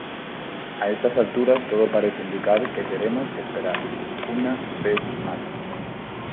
A estas alturas todo parece indicar que teremos que esperar... unha vez mais.